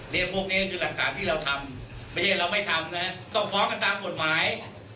เรียกพวกนี้ก็คือหลักฐานที่เราทำไม่ใช่เราไม่ทำนะครับต้องฟ้องกันตามกฎหมาย